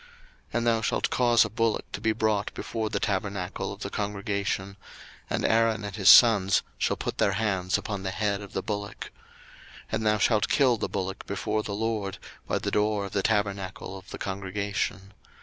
02:029:010 And thou shalt cause a bullock to be brought before the tabernacle of the congregation: and Aaron and his sons shall put their hands upon the head of the bullock. 02:029:011 And thou shalt kill the bullock before the LORD, by the door of the tabernacle of the congregation.